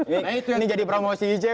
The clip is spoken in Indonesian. nah itu yang menjadi promosi icw